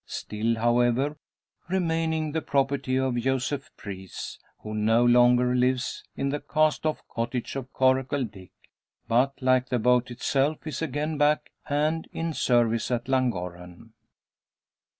Still, however, remaining the property of Joseph Preece, who no longer lives in the cast off cottage of Coracle Dick, but, like the boat itself, is again back and in service at Llangorren.